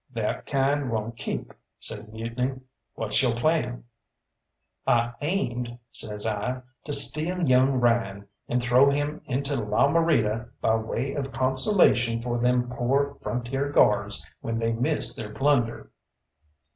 "That kind won't keep," says Mutiny; "what's yo' plan?" "I aimed," says I, "to steal young Ryan, and throw him into La Morita by way of consolation for them poor Frontier Guards when they miss their plunder."